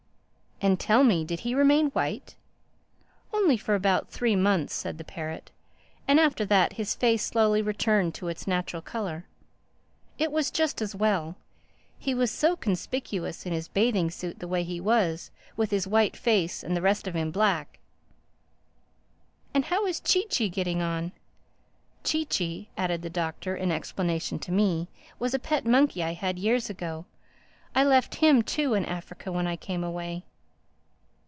"And tell me, did he remain white?" "Only for about three months," said the parrot. "After that his face slowly returned to its natural color. It was just as well. He was so conspicuous in his bathing suit the way he was, with his face white and the rest of him black." "And how is Chee Chee getting on?—Chee Chee," added the Doctor in explanation to me, "was a pet monkey I had years ago. I left him too in Africa when I came away."